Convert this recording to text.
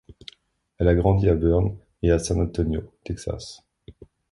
Elle a grandi à Boerne et à San Antonio, Texas.